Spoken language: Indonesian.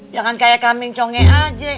jangan kayak kambing conge aja